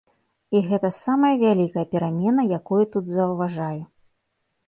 І гэта самая вялікая перамена, якую тут заўважаю.